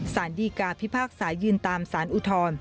สารดีกาพิพากษายืนตามสารอุทธรณ์